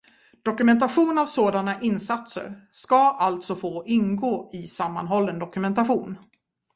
Dokumentation av sådana insatser ska alltså få ingå i sammanhållen dokumentation.